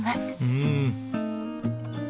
うん。